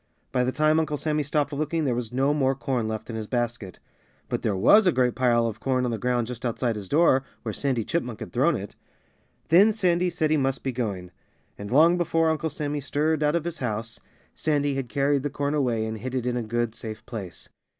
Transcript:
By the time Uncle Sammy stopped looking there was no more corn left in his basket. But there was a great pile of corn on the ground just outside his door, where Sandy Chipmunk had thrown it. Then Sandy said he must be going. And long before Uncle Sammy stirred out of his house Sandy had carried the corn away and hid it in a good, safe place.